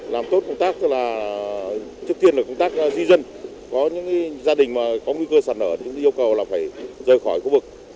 làm tốt công tác là trước tiên là công tác di dân có những gia đình mà có nguy cơ sạt lở thì chúng tôi yêu cầu là phải rời khỏi khu vực